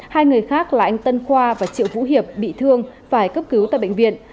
hai người khác là anh tân khoa và triệu vũ hiệp bị thương phải cấp cứu tại bệnh viện